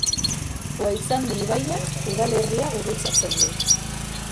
Uhaitzandi ibaiak udalerria gurutzatzen du.